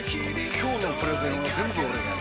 今日のプレゼンは全部俺がやる！